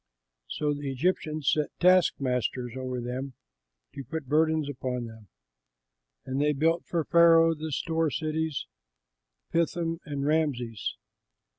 So the Egyptians set taskmasters over them to put burdens upon them. And they built for Pharaoh the store cities, Pithom and Rameses.